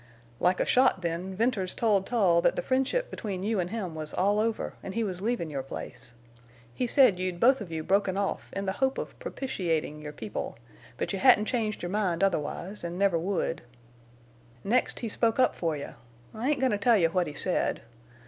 "Like a shot, then, Venters told Tull that the friendship between you an' him was all over, an' he was leaving your place. He said you'd both of you broken off in the hope of propitiatin' your people, but you hadn't changed your mind otherwise, an' never would. "Next he spoke up for you. I ain't goin' to tell you what he said.